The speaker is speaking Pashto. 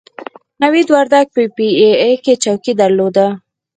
نوید وردګ په پي ای اې کې چوکۍ درلوده.